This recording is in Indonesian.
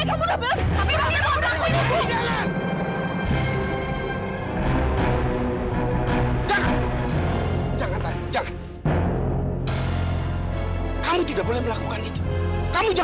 sampai jumpa di video selanjutnya